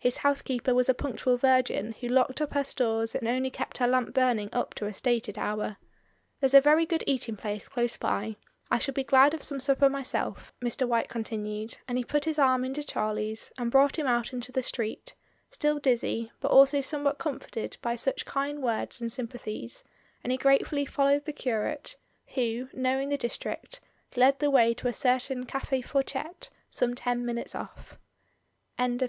His housekeeper was a punctual virgin who locked up her stores and only kept her lamp burning up to a stated hour. "There's a very good eating place close by. I shall be glad of some supper myself," Mr. White con tinued, and he put his arm into Charlie's and brought him out into the street, still dizzy, but also somewhat comforted by such kind words and sym pathies; and he gratefully followed the curate, who, knowing the district, led the way to a certain Cafl Fourchette some ten minutes off.